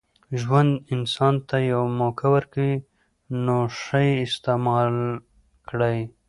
ژوند انسان ته یوه موکه ورکوي، نوښه ئې استعیمال کړئ!